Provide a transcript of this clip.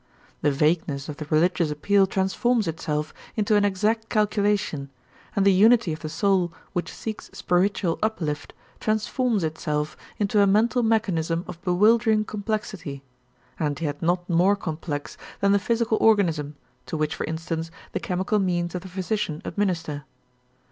The vagueness of the religious appeal transforms itself into an exact calculation and the unity of the soul which seeks spiritual uplift transforms itself into a mental mechanism of bewildering complexity, and yet not more complex than the physical organism, to which for instance, the chemical means of the physician administer.